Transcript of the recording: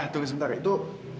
tunggu sebentar itu